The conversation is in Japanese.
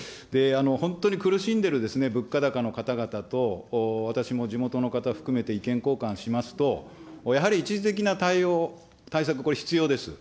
本当に苦しんでる物価高の方々と私も地元の方含めて、意見交換しますと、やはり一時的な対応、対策、これ必要です。